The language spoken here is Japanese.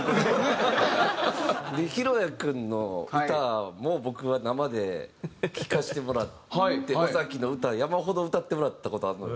裕哉君の歌も僕は生で聴かせてもらって尾崎の歌山ほど歌ってもらった事あるのよ。